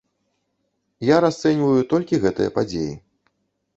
Я расцэньваю толькі гэтыя падзеі.